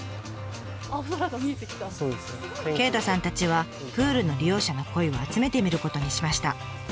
鯨太さんたちはプールの利用者の声を集めてみることにしました。